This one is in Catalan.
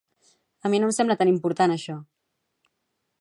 A mi no em sembla tan important això.